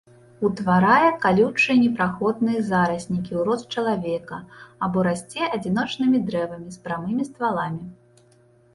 Утварае калючыя непраходныя зараснікі ў рост чалавека або расце адзіночнымі дрэвамі з прамымі стваламі.